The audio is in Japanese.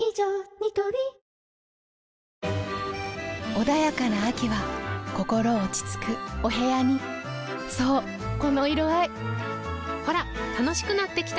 ニトリ穏やかな秋は心落ち着くお部屋にそうこの色合いほら楽しくなってきた！